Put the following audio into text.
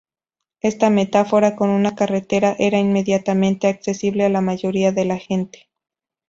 Esta metáfora con una carretera era inmediatamente accesible a la mayoría de la gente.